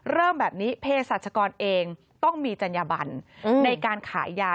เริ่มแบบนี้เพศรัชกรเองต้องมีจัญญบันในการขายยา